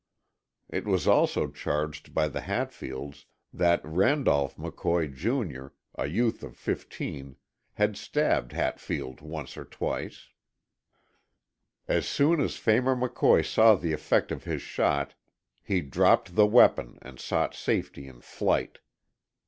It was also charged by the Hatfields that Randolph McCoy, Jr., a youth of fifteen, had stabbed Hatfield once or twice. As soon as Phamer McCoy saw the effect of his shot he dropped the weapon and sought safety in flight.